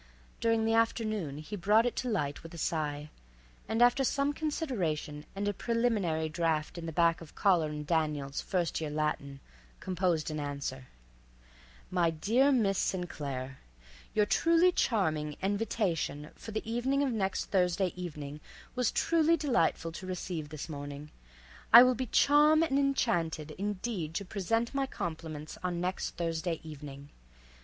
During the afternoon he brought it to light with a sigh, and after some consideration and a preliminary draft in the back of Collar and Daniel's "First Year Latin," composed an answer: My dear Miss St. Claire: Your truly charming envitation for the evening of next Thursday evening was truly delightful to receive this morning. I will be charm and inchanted indeed to present my compliments on next Thursday evening.